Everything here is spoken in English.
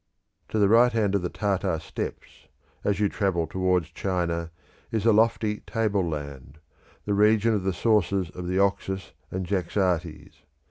To the right hand of the Tartar steppes, as you travel towards China, is a lofty tableland, the region of the sources of the Oxus and Jaxartes.